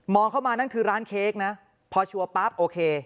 เข้ามานั่นคือร้านเค้กนะพอชัวร์ปั๊บโอเค